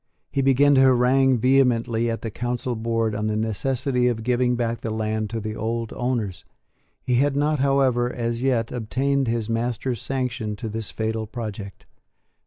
He began to harangue vehemently at the Council board on the necessity of giving back the land to the old owners. He had not, however, as yet, obtained his master's sanction to this fatal project.